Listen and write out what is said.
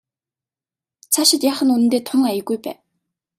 Цаашид яах нь үнэндээ тун аягүй байв.